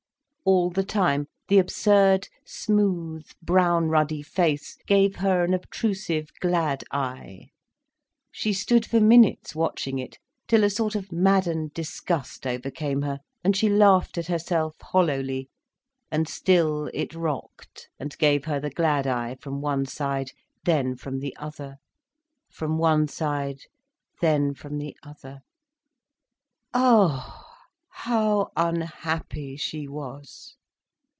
All the time the absurd smooth, brown ruddy face gave her an obtrusive "glad eye." She stood for minutes, watching it, till a sort of maddened disgust overcame her, and she laughed at herself hollowly. And still it rocked, and gave her the glad eye from one side, then from the other, from one side, then from the other. Ah, how unhappy she was!